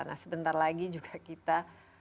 nah sebentar lagi juga kita